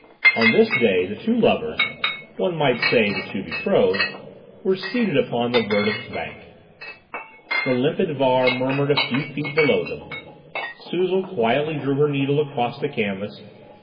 On this day the two lovers—one might say, the two betrothed— were seated upon the verdant bank. The limpid Vaar murmured a few feet below them. Suzel quietly drew her needle across the canvas.